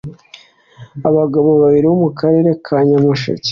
Abagabo babiri bo mu karere ka Nyamasheke